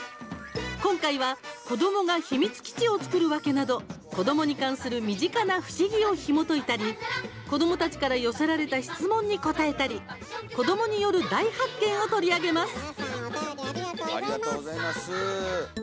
今回は「子どもが秘密基地を作るわけ」など子どもに関する身近な不思議をひもといたり子どもたちから寄せられた質問に答えたり子どもによる「大発見」を取り上げます。